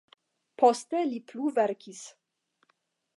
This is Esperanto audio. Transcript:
Poste li plu verkis.